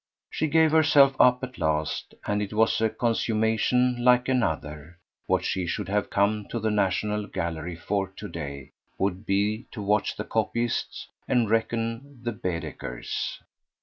She gave herself up at last, and it was a consummation like another: what she should have come to the National Gallery for to day would be to watch the copyists and reckon the Baedekers.